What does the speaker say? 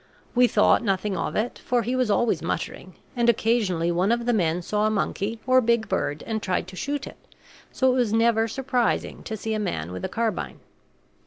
We thought nothing of it, for he was always muttering; and occasionally one of the men saw a monkey or big bird and tried to shoot it, so it was never surprising to see a man with a carbine.